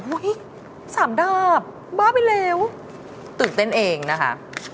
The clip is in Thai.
๓ดาบบ้าไปแล้วตื่นเต้นเองนะคะ